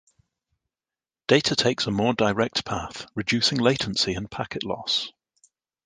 Data takes a more direct path, reducing latency and packet loss.